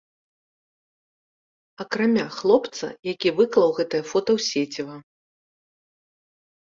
Акрамя хлопца, які выклаў гэтае фота ў сеціва.